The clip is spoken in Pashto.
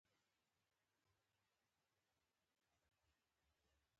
د کابل سیند د افغانستان د ناحیو ترمنځ تفاوتونه رامنځ ته کوي.